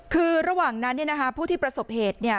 คือระหว่างนั้นเนี่ยนะคะผู้ที่ประสบเหตุเนี่ย